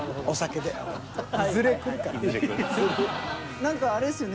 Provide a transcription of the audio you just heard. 何かあれですよね